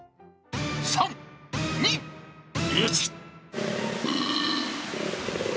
３、２、１。